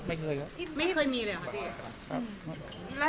ไม่เคยมีเลยหรอครับ